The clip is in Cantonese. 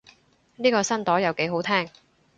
呢個新朵又幾好聽